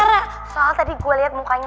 duh kok gue malah jadi mikir macem macem gini ya